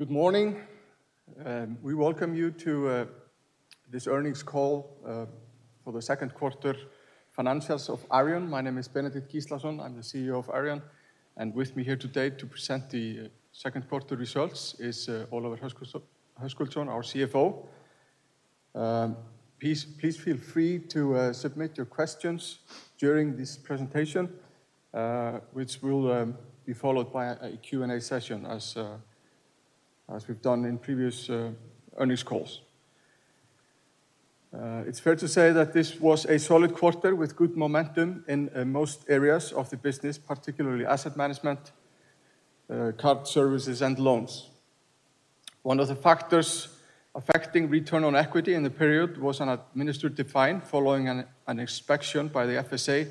Good morning. We welcome you to this earnings call for the second quarter financials of Arion. My name is Benedikt Gíslason. I'm the CEO of Arion. With me here today to present the second quarter results is Ólafur Hrafn Höskuldsson, our CFO. Please feel free to submit your questions during this presentation, which will be followed by a Q&A session, as we've done in previous earnings calls. It's fair to say that this was a solid quarter with good momentum in most areas of the business, particularly asset management, card services, and loans. One of the factors affecting return on equity in the period was an administrative fine following an inspection by the FSA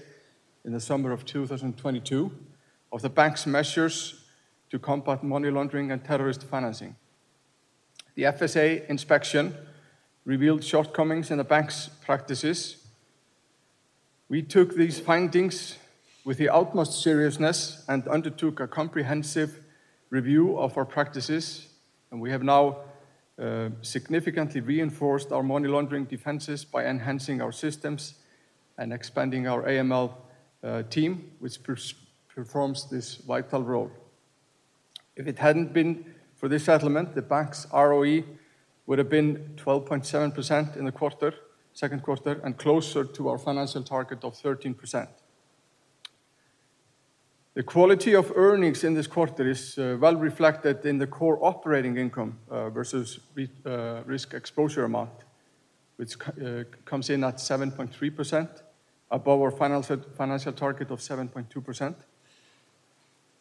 in the summer of 2022 of the bank's measures to combat money laundering and terrorist financing. The FSA inspection revealed shortcomings in the bank's practices. We took these findings with the utmost seriousness and undertook a comprehensive review of our practices. We have now significantly reinforced our money laundering defenses by enhancing our systems and expanding our AML team, which performs this vital role. If it hadn't been for this settlement, the bank's ROE would have been 12.7% in the second quarter and closer to our financial target of 13%. The quality of earnings in this quarter is well reflected in the core operating income versus risk exposure amount, which comes in at 7.3%, above our financial target of 7.2%.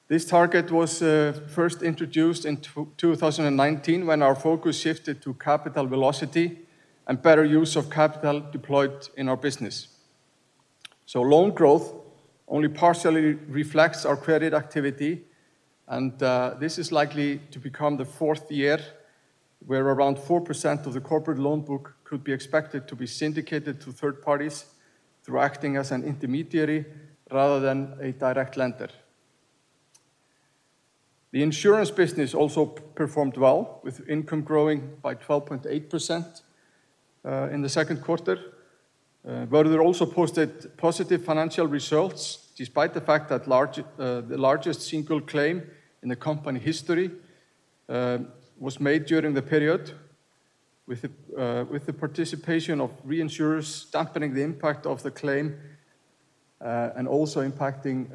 This target was first introduced in 2019 when our focus shifted to capital velocity and better use of capital deployed in our business. Loan growth only partially reflects our credit activity. This is likely to become the fourth year where around 4% of the corporate loan book could be expected to be syndicated to third parties through acting as an intermediary rather than a direct lender. The insurance business also performed well, with income growing by 12.8% in the second quarter. We also posted positive financial results despite the fact that the largest single claim in the company history was made during the period, with the participation of reinsurers dampening the impact of the claim and also impacting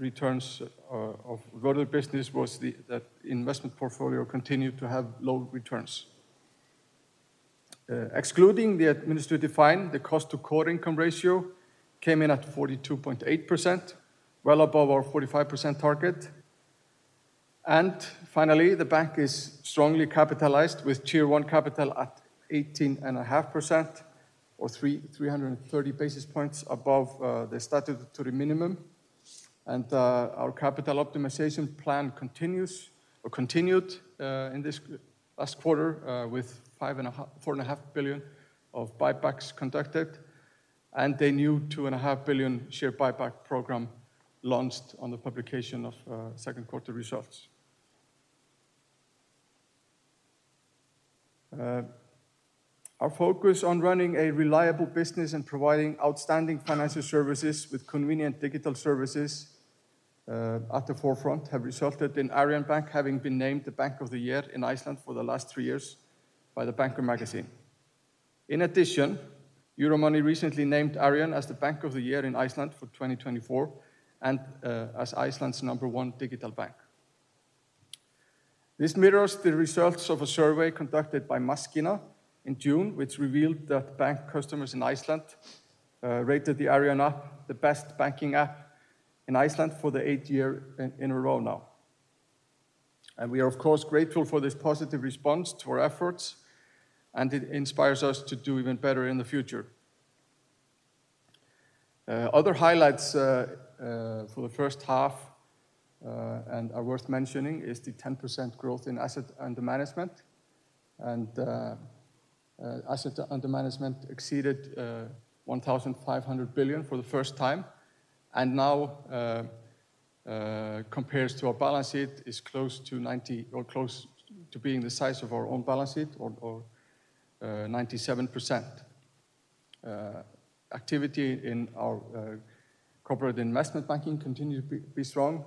returns of the business, was that the investment portfolio continued to have low returns. Excluding the administrative fine, the cost-to-core income ratio came in at 42.8%, well above our 45% target. And finally, the bank is strongly capitalized, with Tier 1 capital at 18.5%, or 330 basis points above the statutory minimum. Our capital optimization plan continued in this last quarter with 4.5 billion of buybacks conducted and a new 2.5 billion share buyback program launched on the publication of second quarter results. Our focus on running a reliable business and providing outstanding financial services with convenient digital services at the forefront has resulted in Arion Bank having been named the Bank of the Year in Iceland for the last three years by The Banker. In addition, Euromoney recently named Arion as the Bank of the Year in Iceland for 2024 and as Iceland's number one digital bank. This mirrors the results of a survey conducted by Maskína in June, which revealed that bank customers in Iceland rated the Arion app the best banking app in Iceland for the eighth year in a row now. We are, of course, grateful for this positive response to our efforts, and it inspires us to do even better in the future. Other highlights for the first half and are worth mentioning is the 10% growth in asset under management. Asset under management exceeded 1,500 billion for the first time. Now, compared to our balance sheet, is close to 90% or close to being the size of our own balance sheet, or 97%. Activity in our corporate investment banking continues to be strong,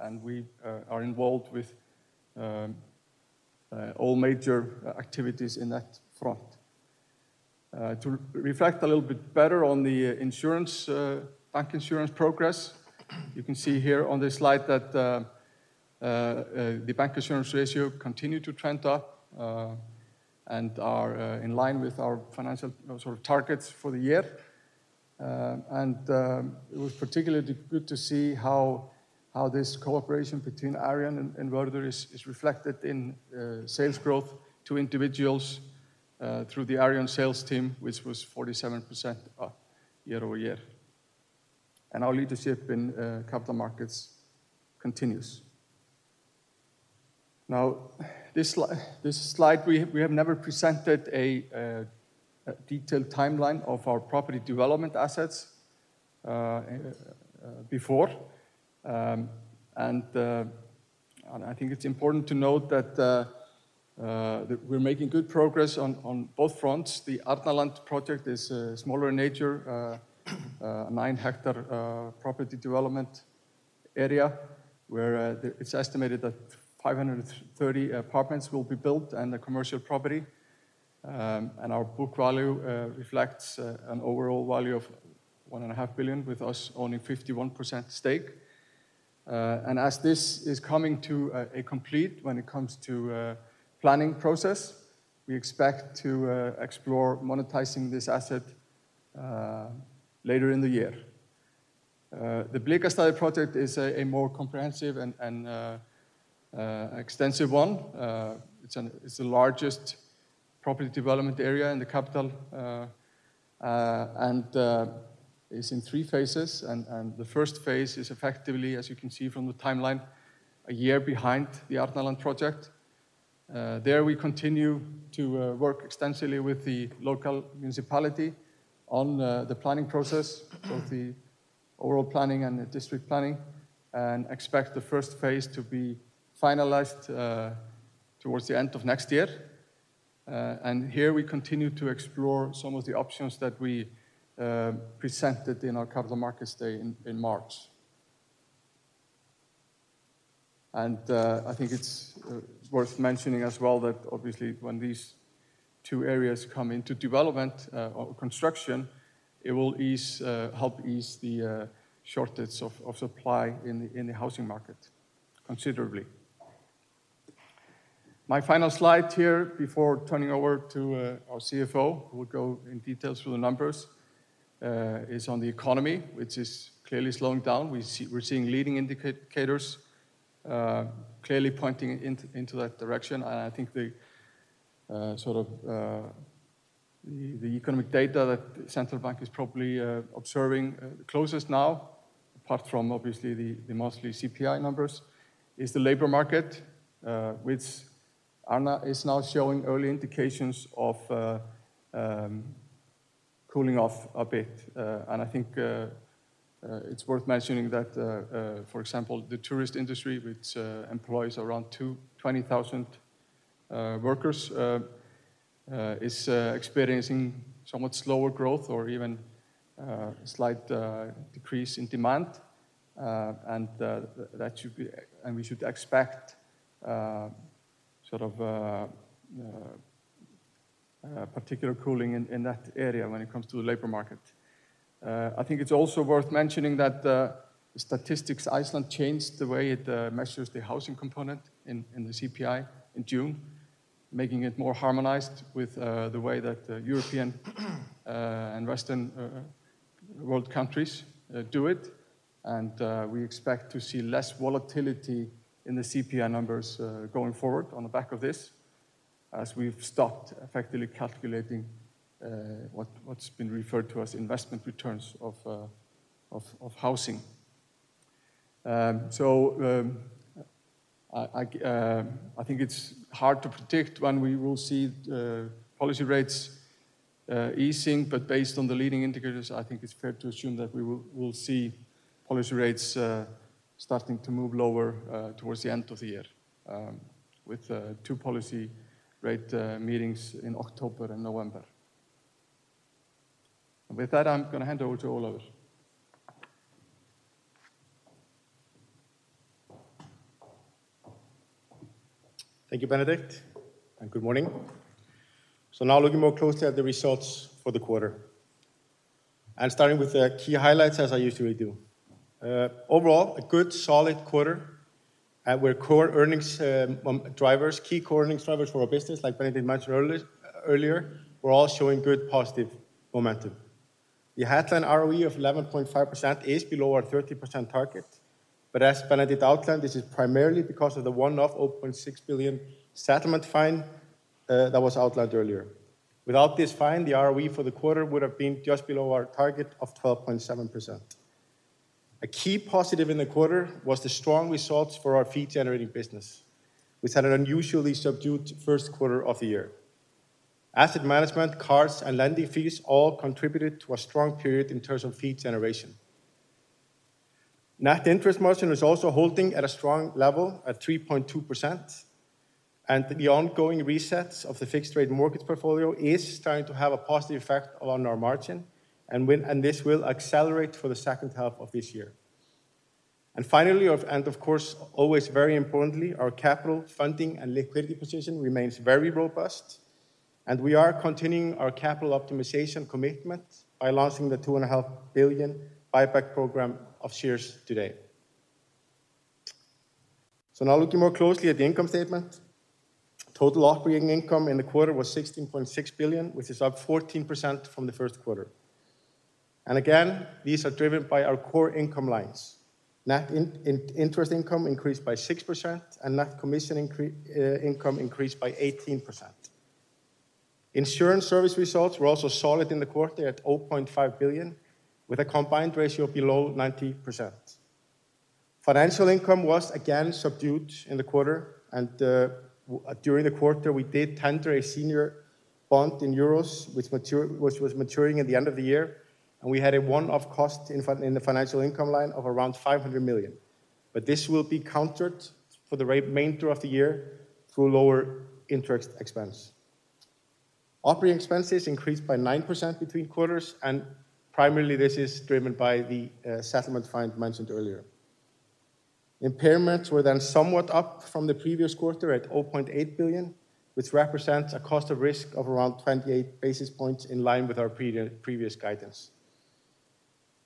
and we are involved with all major activities in that front. To reflect a little bit better on the insurance bank insurance progress, you can see here on this slide that the bank insurance ratio continued to trend up and are in line with our financial targets for the year. It was particularly good to see how this cooperation between Arion and Vörður is reflected in sales growth to individuals through the Arion sales team, which was 47% year-over-year. Our leadership in capital markets continues. Now, this slide, we have never presented a detailed timeline of our property development assets before. I think it's important to note that we're making good progress on both fronts. The Arnarland project is smaller in nature, a nine-hectare property development area where it's estimated that 530 apartments will be built and a commercial property. Our book value reflects an overall value of 1.5 billion with us owning 51% stake. As this is coming to a complete when it comes to planning process, we expect to explore monetizing this asset later in the year. The Blikastaðir project is a more comprehensive and extensive one. It's the largest property development area in the capital and is in three phases. The first phase is effectively, as you can see from the timeline, a year behind the Arnarland project. There we continue to work extensively with the local municipality on the planning process, both the overall planning and the district planning, and expect the first phase to be finalized towards the end of next year. Here we continue to explore some of the options that we presented in our capital markets day in March. I think it's worth mentioning as well that obviously when these two areas come into development or construction, it will help ease the shortages of supply in the housing market considerably. My final slide here before turning over to our CFO, who will go in details through the numbers, is on the economy, which is clearly slowing down. We're seeing leading indicators clearly pointing into that direction. I think the economic data that the central bank is probably observing closest now, apart from obviously the mostly CPI numbers, is the labor market, which is now showing early indications of cooling off a bit. I think it's worth mentioning that, for example, the tourist industry, which employs around 20,000 workers, is experiencing somewhat slower growth or even a slight decrease in demand. We should expect sort of particular cooling in that area when it comes to the labor market. I think it's also worth mentioning that Statistics Iceland changed the way it measures the housing component in the CPI in June, making it more harmonized with the way that European and Western world countries do it. We expect to see less volatility in the CPI numbers going forward on the back of this, as we've stopped effectively calculating what's been referred to as investment returns of housing. So I think it's hard to predict when we will see policy rates easing. But based on the leading indicators, I think it's fair to assume that we will see policy rates starting to move lower towards the end of the year with two policy rate meetings in October and November. And with that, I'm going to hand over to Ólafur. Thank you, Benedikt. Good morning. Now looking more closely at the results for the quarter, and starting with the key highlights as I usually do. Overall, a good solid quarter where core earnings drivers, key core earnings drivers for our business, like Benedikt mentioned earlier, were all showing good positive momentum. The headline ROE of 11.5% is below our 30% target. But as Benedikt outlined, this is primarily because of the one-off 0.6 billion settlement fine that was outlined earlier. Without this fine, the ROE for the quarter would have been just below our target of 12.7%. A key positive in the quarter was the strong results for our fee-generating business, which had an unusually subdued first quarter of the year. Asset management, cards, and lending fees all contributed to a strong period in terms of fee generation. Net interest margin is also holding at a strong level at 3.2%. The ongoing resets of the fixed-rate mortgage portfolio is starting to have a positive effect on our margin. This will accelerate for the second half of this year. Finally, and of course, always very importantly, our capital funding and liquidity position remains very robust. We are continuing our capital optimization commitment by launching the 2.5 billion buyback program of shares today. Now looking more closely at the income statement, total operating income in the quarter was 16.6 billion, which is up 14% from the first quarter. Again, these are driven by our core income lines. Net interest income increased by 6%, and net commission income increased by 18%. Insurance service results were also solid in the quarter at 0.5 billion, with a combined ratio below 90%. Financial income was again subdued in the quarter. During the quarter, we did tender a senior bond in euros, which was maturing at the end of the year. We had a one-off cost in the financial income line of around 500 million. But this will be countered for the remainder of the year through lower interest expense. Operating expenses increased by 9% between quarters. Primarily, this is driven by the settlement fine mentioned earlier. Impairments were then somewhat up from the previous quarter at 0.8 billion, which represents a cost of risk of around 28 basis points in line with our previous guidance.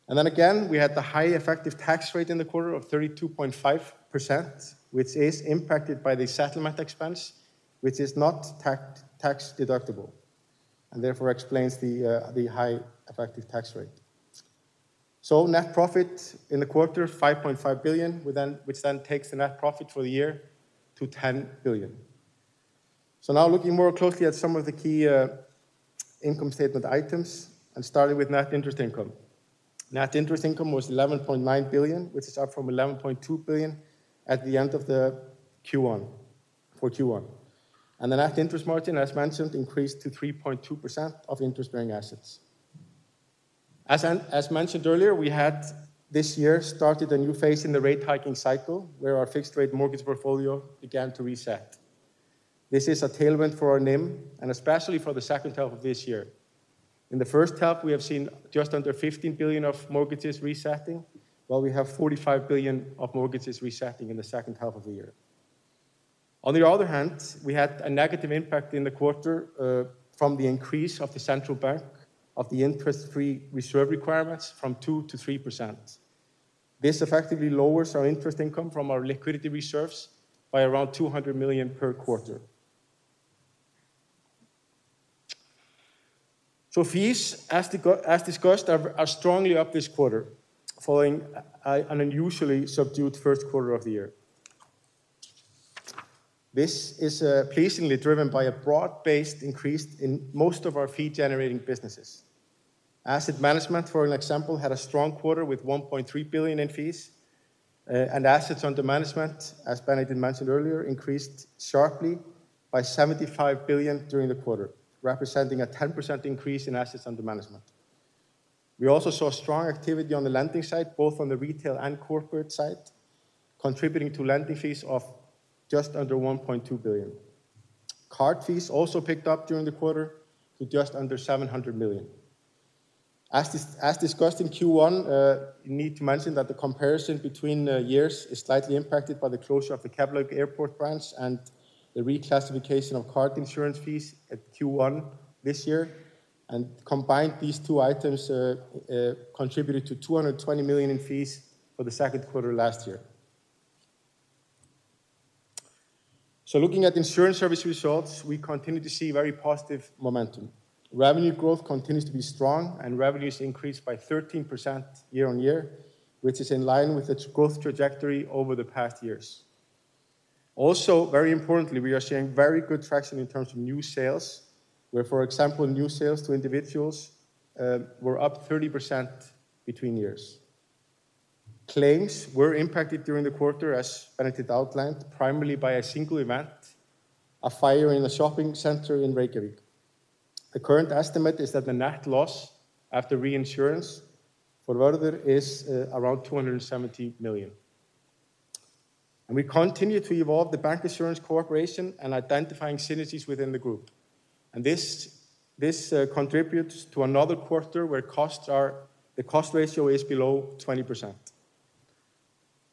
And then again, we had the high effective tax rate in the quarter of 32.5%, which is impacted by the settlement expense, which is not tax deductible and therefore explains the high effective tax rate. Net profit in the quarter of 5.5 billion, which then takes the net profit for the year to 10 billion. Now looking more closely at some of the key income statement items and starting with net interest income. Net interest income was 11.9 billion, which is up from 11.2 billion at the end of the Q1 for Q1. And the net interest margin, as mentioned, increased to 3.2% of interest-bearing assets. As mentioned earlier, we had this year started a new phase in the rate hiking cycle where our fixed-rate mortgage portfolio began to reset. This is a tailwind for our NIM and especially for the second half of this year. In the first half, we have seen just under 15 billion of mortgages resetting, while we have 45 billion of mortgages resetting in the second half of the year. On the other hand, we had a negative impact in the quarter from the increase of the central bank of the interest-free reserve requirements from 2%-3%. This effectively lowers our interest income from our liquidity reserves by around 200 million per quarter. So fees, as discussed, are strongly up this quarter following an unusually subdued first quarter of the year. This is pleasingly driven by a broad-based increase in most of our fee-generating businesses. Asset management, for example, had a strong quarter with 1.3 billion in fees. Assets under management, as Benedikt mentioned earlier, increased sharply by 75 billion during the quarter, representing a 10% increase in assets under management. We also saw strong activity on the lending side, both on the retail and corporate side, contributing to lending fees of just under 1.2 billion. Card fees also picked up during the quarter to just under 700 million. As discussed in Q1, I need to mention that the comparison between years is slightly impacted by the closure of the Keflavík Airport branch and the reclassification of card insurance fees at Q1 this year. Combined, these two items contributed to 220 million in fees for the second quarter last year. Looking at insurance service results, we continue to see very positive momentum. Revenue growth continues to be strong, and revenues increased by 13% year-over-year, which is in line with its growth trajectory over the past years. Also, very importantly, we are seeing very good traction in terms of new sales, where, for example, new sales to individuals were up 30% between years. Claims were impacted during the quarter, as Benedikt outlined, primarily by a single event, a fire in a shopping center in Reykjavík. The current estimate is that the net loss after reinsurance for Vörður is around 270 million. We continue to evolve the bank insurance cooperation and identifying synergies within the group. This contributes to another quarter where the cost ratio is below 20%.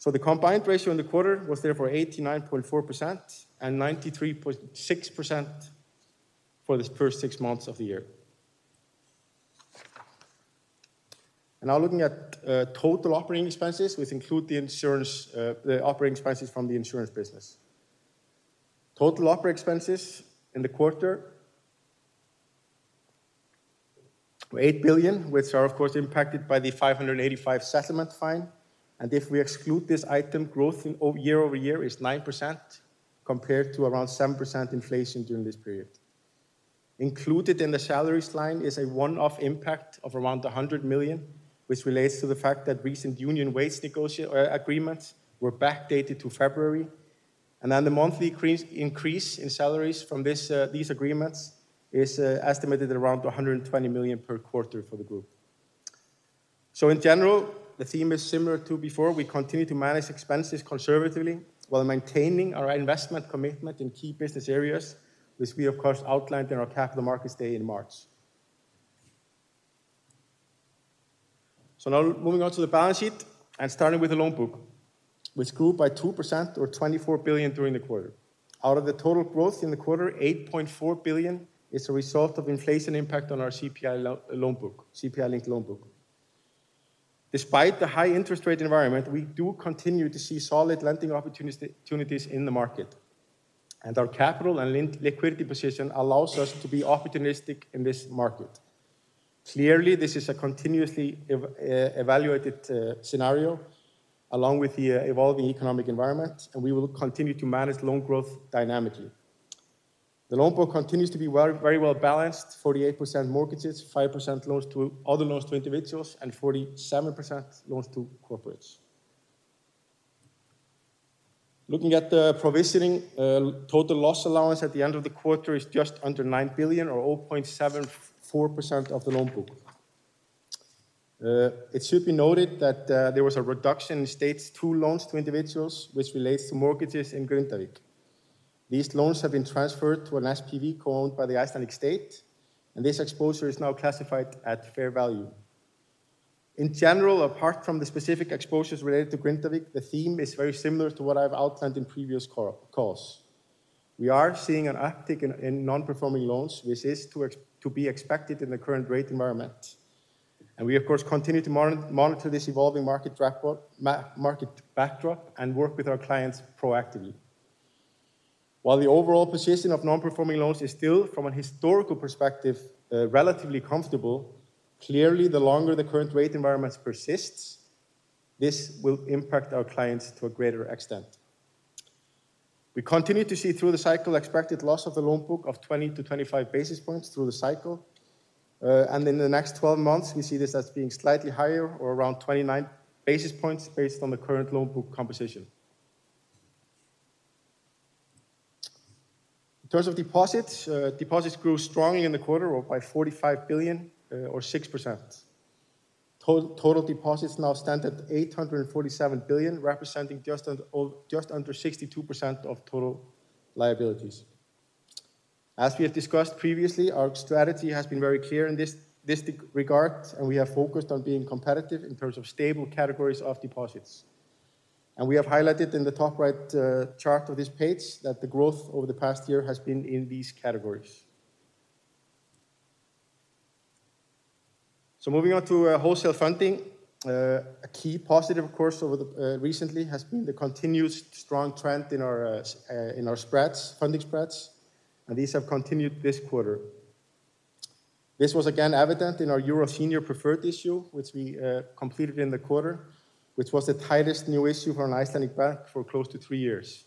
The combined ratio in the quarter was therefore 89.4% and 93.6% for the first six months of the year. Now looking at total operating expenses, which include the operating expenses from the insurance business. Total operating expenses in the quarter were 8 billion, which are, of course, impacted by the 585 million settlement fine. If we exclude this item, growth year-over-year is 9% compared to around 7% inflation during this period. Included in the salaries line is a one-off impact of around 100 million, which relates to the fact that recent union wage agreements were backdated to February. Then the monthly increase in salaries from these agreements is estimated at around 120 million per quarter for the group. In general, the theme is similar to before. We continue to manage expenses conservatively while maintaining our investment commitment in key business areas, which we, of course, outlined in our capital markets day in March. Now moving on to the balance sheet and starting with the loan book, which grew by 2% or 24 billion during the quarter. Out of the total growth in the quarter, 8.4 billion is the result of inflation impact on our CPI-linked loan book. Despite the high interest rate environment, we do continue to see solid lending opportunities in the market. Our capital and liquidity position allows us to be opportunistic in this market. Clearly, this is a continuously evaluated scenario along with the evolving economic environment, and we will continue to manage loan growth dynamically. The loan book continues to be very well balanced: 48% mortgages, 5% other loans to individuals, and 47% loans to corporates. Looking at the provisioning, total loss allowance at the end of the quarter is just under 9 billion or 0.74% of the loan book. It should be noted that there was a reduction in Stage 2 loans to individuals, which relates to mortgages in Grindavík. These loans have been transferred to an SPV co-owned by the Icelandic State, and this exposure is now classified at fair value. In general, apart from the specific exposures related to Grindavík, the theme is very similar to what I've outlined in previous calls. We are seeing an uptick in non-performing loans, which is to be expected in the current rate environment. We, of course, continue to monitor this evolving market backdrop and work with our clients proactively. While the overall position of non-performing loans is still, from a historical perspective, relatively comfortable, clearly, the longer the current rate environment persists, this will impact our clients to a greater extent. We continue to see through the cycle expected loss of the loan book of 20-25 basis points through the cycle. In the next 12 months, we see this as being slightly higher or around 29 basis points based on the current loan book composition. In terms of deposits, deposits grew strongly in the quarter by 45 billion or 6%. Total deposits now stand at 847 billion, representing just under 62% of total liabilities. As we have discussed previously, our strategy has been very clear in this regard, and we have focused on being competitive in terms of stable categories of deposits. We have highlighted in the top right chart of this page that the growth over the past year has been in these categories. Moving on to wholesale funding, a key positive, of course, recently has been the continuous strong trend in our funding spreads, and these have continued this quarter. This was again evident in our Euro Senior Preferred issue, which we completed in the quarter, which was the tightest new issue for an Icelandic bank for close to 3 years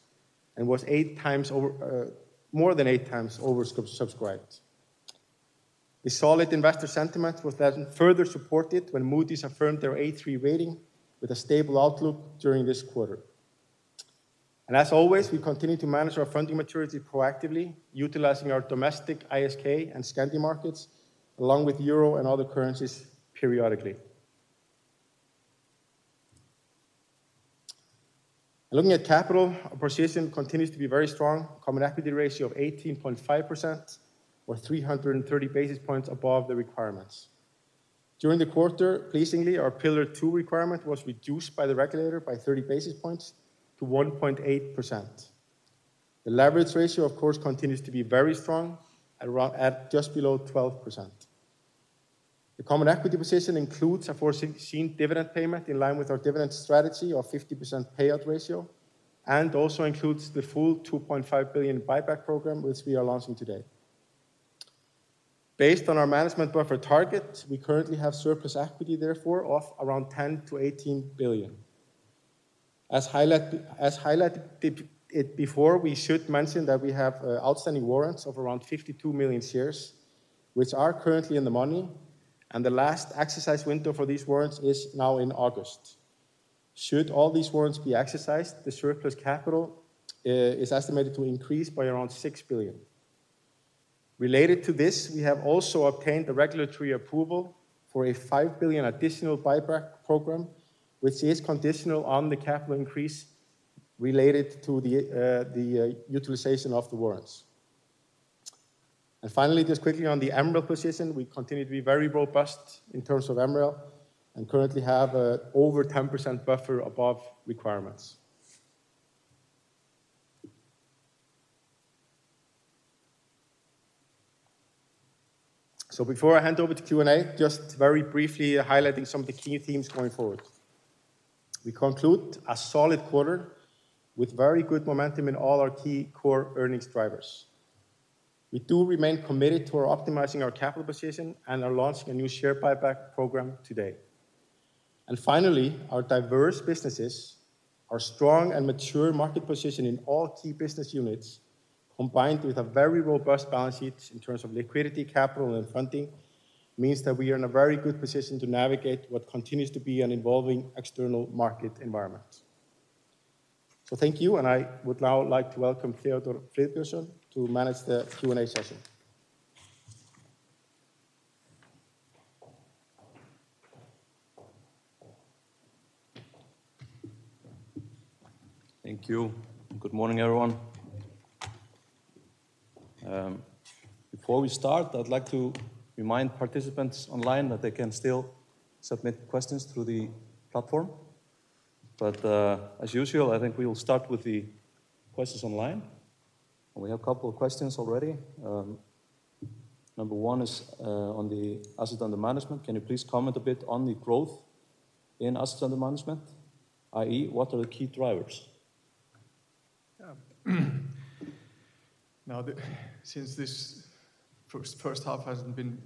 and was more than 8x oversubscribed. The solid investor sentiment was then further supported when Moody's affirmed their A3 rating with a stable outlook during this quarter. As always, we continue to manage our funding maturity proactively, utilizing our domestic ISK and Scandi markets along with euro and other currencies periodically. Looking at capital, our position continues to be very strong, common equity ratio of 18.5% or 330 basis points above the requirements. During the quarter, pleasingly, our Pillar 2 requirement was reduced by the regulator by 30 basis points to 1.8%. The leverage ratio, of course, continues to be very strong at just below 12%. The common equity position includes a foreseen dividend payment in line with our dividend strategy of 50% payout ratio and also includes the full 2.5 billion buyback program, which we are launching today. Based on our management buffer target, we currently have surplus equity, therefore, of around 10 billion-18 billion. As highlighted before, we should mention that we have outstanding warrants of around 52 million shares, which are currently in the money. The last exercise window for these warrants is now in August. Should all these warrants be exercised, the surplus capital is estimated to increase by around 6 billion. Related to this, we have also obtained the regulatory approval for a 5 billion additional buyback program, which is conditional on the capital increase related to the utilization of the warrants. Finally, just quickly on the MREL position, we continue to be very robust in terms of MREL and currently have an over 10% buffer above requirements. So before I hand over to Q&A, just very briefly highlighting some of the key themes going forward. We conclude a solid quarter with very good momentum in all our key core earnings drivers. We do remain committed to optimizing our capital position and are launching a new share buyback program today. And finally, our diverse businesses, our strong and mature market position in all key business units, combined with a very robust balance sheet in terms of liquidity, capital, and funding, means that we are in a very good position to navigate what continues to be an evolving external market environment. So thank you, and I would now like to welcome Theodór Friðbertsson to manage the Q&A session. Thank you. Good morning, everyone. Before we start, I'd like to remind participants online that they can still submit questions through the platform. But as usual, I think we will start with the questions online. We have a couple of questions already. Number one is on the asset under management. Can you please comment a bit on the growth in asset under management, i.e., what are the key drivers? Yeah. Now, since this first half hasn't been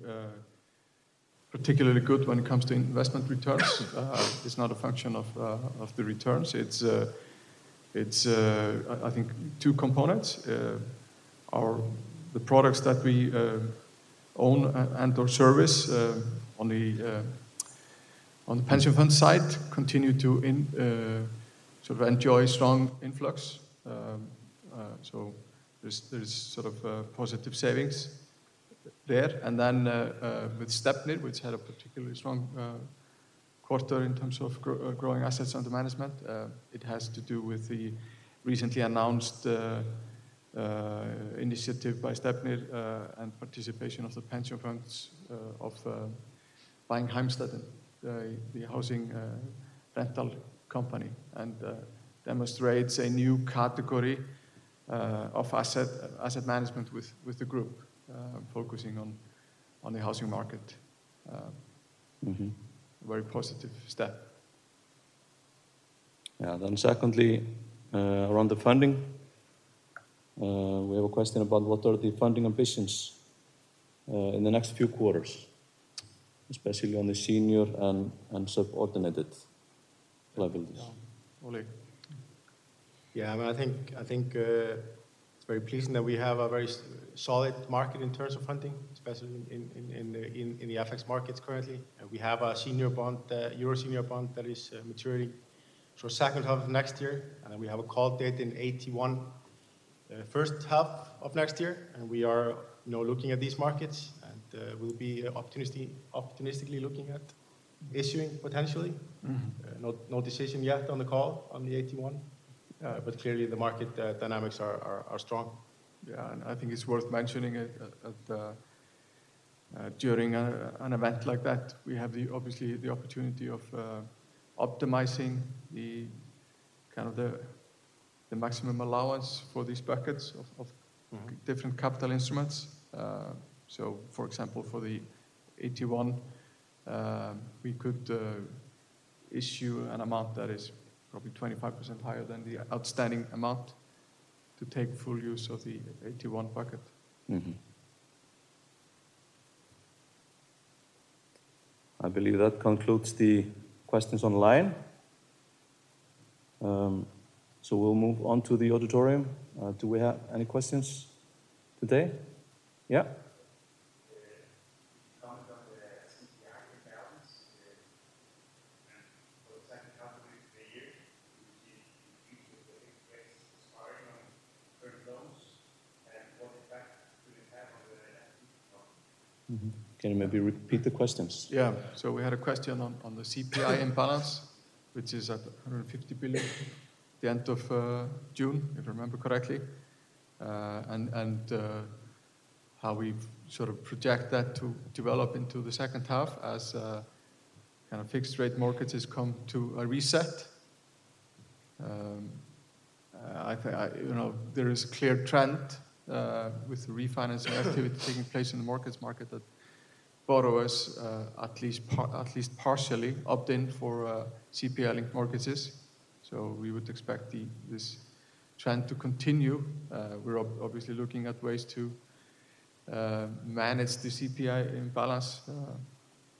particularly good when it comes to investment returns, it's not a function of the returns. It's, I think, two components. The products that we own and/or service on the pension fund side continue to sort of enjoy strong influx. So there's sort of positive savings there. And then with Stefnir, which had a particularly strong quarter in terms of growing assets under management, it has to do with the recently announced initiative by Stefnir and participation of the pension funds of Heimstaden, the housing rental company, and demonstrates a new category of asset management with the group, focusing on the housing market. Very positive step. Yeah. Then secondly, around the funding, we have a question about what are the funding ambitions in the next few quarters, especially on the senior and subordinated levels. Yeah. I think it's very pleasing that we have a very solid market in terms of funding, especially in the FX markets currently. And we have a senior bond, Euro Senior Bond, that is maturing for the second half of next year. And we have a call date in AT1, the first half of next year. And we are now looking at these markets and will be optimistically looking at issuing potentially. No decision yet on the call on the AT1, but clearly the market dynamics are strong. Yeah. And I think it's worth mentioning that during an event like that, we have obviously the opportunity of optimizing kind of the maximum allowance for these buckets of different capital instruments. So for example, for the AT1, we could issue an amount that is probably 25% higher than the outstanding amount to take full use of the AT1 bucket. I believe that concludes the questions online. So we'll move on to the auditorium. Do we have any questions today? Yeah? Comment on the CPI imbalance for the second half of the year, which is increasing with the rates aspiring on current loans and what impact could it have on the net equity market? Can you maybe repeat the questions? Yeah. So we had a question on the CPI imbalance, which is at ISK 150 billion at the end of June, if I remember correctly. And how we sort of project that to develop into the second half as kind of fixed rate markets has come to a reset. There is a clear trend with the refinancing activity taking place in the mortgage market that borrowers at least partially opt in for CPI-linked mortgages. So we would expect this trend to continue. We're obviously looking at ways to manage the CPI imbalance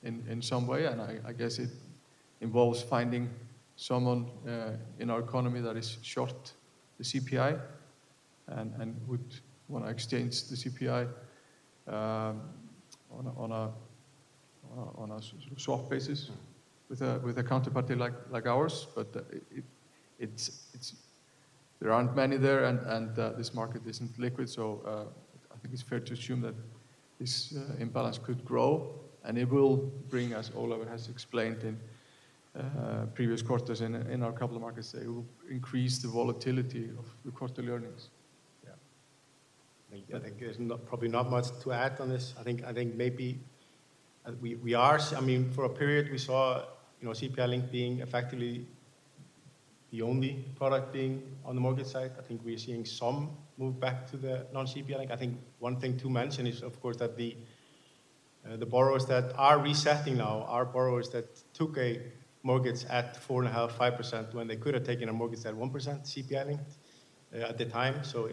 in some way. And I guess it involves finding someone in our economy that is short the CPI and would want to exchange the CPI on a soft basis with a counterparty like ours. But there aren't many there, and this market isn't liquid. So I think it's fair to assume that this imbalance could grow, and it will bring us all, as I have explained in previous quarters in our couple of markets, it will increase the volatility of the quarterly earnings. Yeah. I think there's probably not much to add on this. I think maybe we are, I mean, for a period, we saw CPI-linked being effectively the only product being on the mortgage side. I think we're seeing some move back to the non-CPI-linked. I think one thing to mention is, of course, that the borrowers that are resetting now, our borrowers that took a mortgage at 4.5%, 5% when they could have taken a mortgage at 1% CPI-linked at the time. So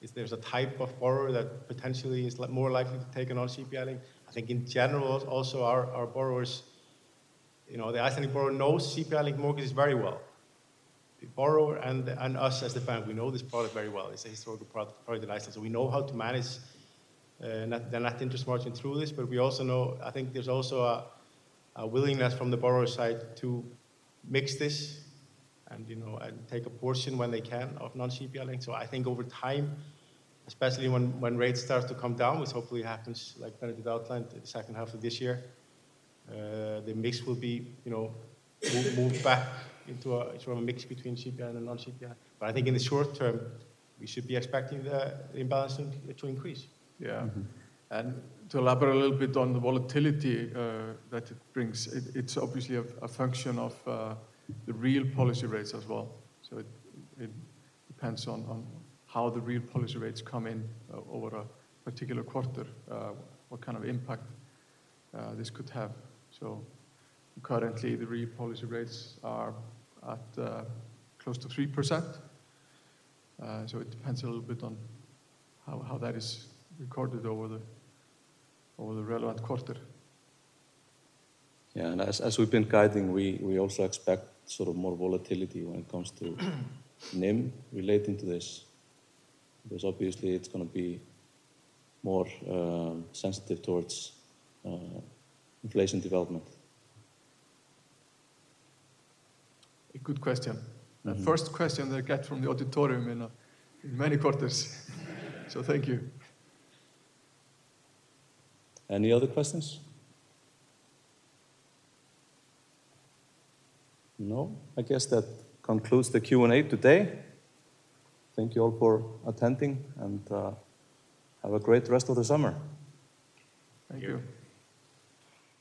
if there's a type of borrower that potentially is more likely to take a non-CPI-linked, I think in general, also our borrowers, the Icelandic borrower knows CPI-linked mortgages very well. The borrower and us as the bank, we know this product very well. It's a historical product in Iceland. So we know how to manage the net interest margin through this. But we also know, I think there's also a willingness from the borrower side to mix this and take a portion when they can of non-CPI-linked. So I think over time, especially when rates start to come down, which hopefully happens like Benedikt outlined in the second half of this year, the mix will be moved back into a mix between CPI and non-CPI. But I think in the short term, we should be expecting the imbalance to increase. Yeah. And to elaborate a little bit on the volatility that it brings, it's obviously a function of the real policy rates as well. So it depends on how the real policy rates come in over a particular quarter, what kind of impact this could have. So currently, the real policy rates are at close to 3%. So it depends a little bit on how that is recorded over the relevant quarter. Yeah. And as we've been guiding, we also expect sort of more volatility when it comes to NIM relating to this. Because obviously, it's going to be more sensitive towards inflation development. A good question. The first question that I get from the auditorium in many quarters. So thank you. Any other questions? No. I guess that concludes the Q&A today. Thank you all for attending and have a great rest of the summer. Thank you.